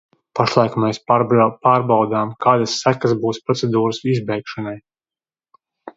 Pašlaik mēs pārbaudām, kādas sekas būs procedūras izbeigšanai.